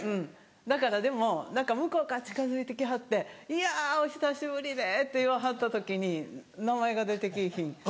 だからでも何か向こうから近づいて来はって「いやお久しぶりね」って言わはった時に名前が出て来ぃひん。